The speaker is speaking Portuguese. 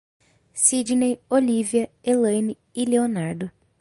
Sidnei, Olívia, Elaine e Leonardo